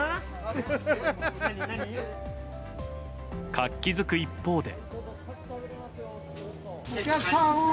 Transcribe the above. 活気づく一方で。